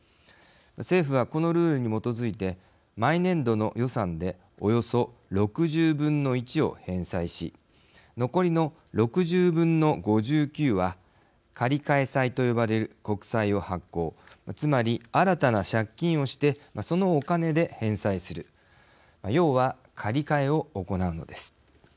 政府は、このルールに基づいて毎年度の予算でおよそ６０分の１を返済し残りの６０分の５９は借換債と呼ばれる国債を発行つまり新たな借金をしてそのお金で返済する要は借り換えを行うのです。